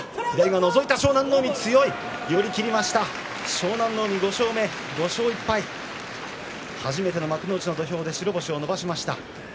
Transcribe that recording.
湘南乃海５勝目と初めての幕内の土俵で白星を伸ばしました。